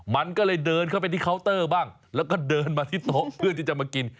มันก็เลยเดินเข้าไปที่เคาน์เตอร์บ้างแล้วก็เดินมาที่โต๊ะเพื่อที่จะมากิน